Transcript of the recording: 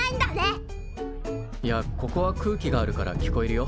いやここは空気があるから聞こえるよ。